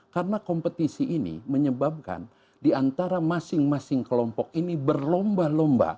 karena kompetisi ini menyebabkan di antara masing masing kelompok ini berlomba lomba